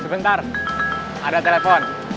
sebentar ada telepon